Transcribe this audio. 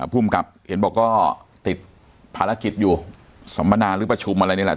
ภูมิกับเห็นบอกก็ติดภารกิจอยู่สัมมนาหรือประชุมอะไรนี่แหละ